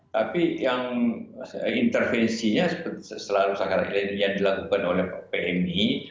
tapi yang intervensinya selalu sangat ini yang dilakukan oleh pmi